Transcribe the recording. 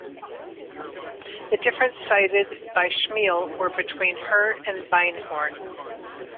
The differences cited by Schemel were between her and Beinhorn.